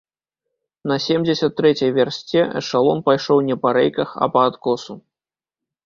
На семдзесят трэцяй вярсце эшалон пайшоў не па рэйках, а па адкосу.